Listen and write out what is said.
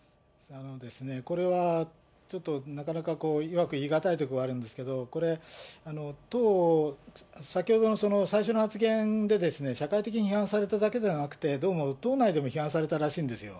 これは、ちょっとなかなかうまく言い難いところあるんですけど、これ、先ほどの最初の発言で、社会的に批判されただけではなくて、どうも党内でも批判されたらしいんですよ。